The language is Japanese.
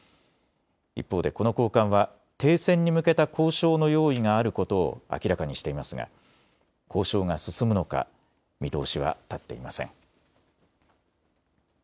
一方でこの高官は、停戦に向けた交渉の用意があることを明らかにしていますが交渉が進むのか見通しは立っていません。